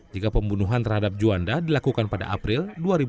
jika pembunuhan terhadap juanda dilakukan pada april dua ribu dua puluh